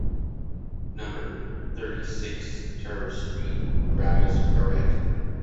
Number thirty-six TER street, Gervais Barret.